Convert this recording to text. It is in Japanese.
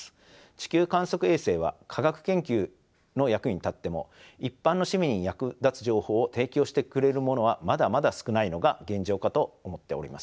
地球観測衛星は科学研究の役に立っても一般の市民に役立つ情報を提供してくれるものはまだまだ少ないのが現状かと思っております。